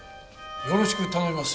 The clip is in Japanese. よろしく頼みます。